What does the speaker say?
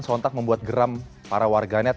sontak membuat geram para warganet